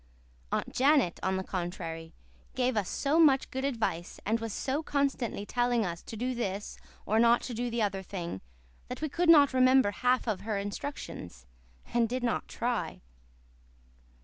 Aunt Janet, on the contrary, gave us so much good advice and was so constantly telling us to do this or not to do the other thing, that we could not remember half her instructions, and did not try.